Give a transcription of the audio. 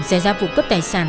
xảy ra vụ cấp tài sản